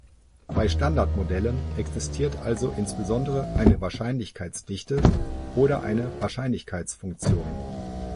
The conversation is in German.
Bei Standardmodellen existiert also insbesondere eine Wahrscheinlichkeitsdichte oder eine Wahrscheinlichkeitsfunktion.